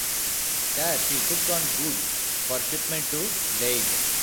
There, she took on goods for shipment to Leyte.